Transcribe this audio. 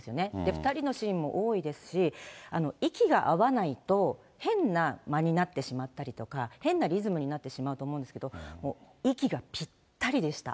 ２人のシーンも多いですし、息が合わないと、変な間になってしまったりとか、変なリズムになってしまうと思うんですけど、もう息がぴったりでした。